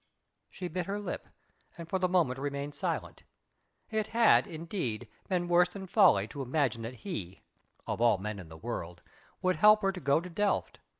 She bit her lip and for the moment remained silent. It had, indeed, been worse than folly to imagine that he of all men in the world would help her to go to Delft.